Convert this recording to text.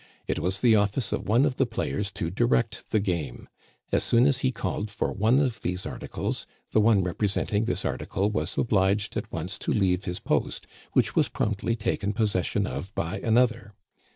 It was the office of one of the players to direct the game. As soon as he called for one of these articles the one representing this article was obliged at once to leave his post, which was promptly taken possession of by another.